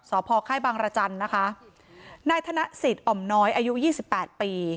พ่อค่ายบางรจันทร์นะคะนายธนสิทธิ์อ่อมน้อยอายุยี่สิบแปดปี